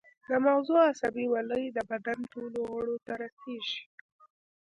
د مغزو عصبي ولۍ د بدن ټولو غړو ته رسیږي